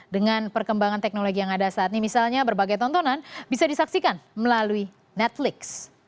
dengan perkembangan teknologi yang ada saat ini misalnya berbagai tontonan bisa disaksikan melalui netflix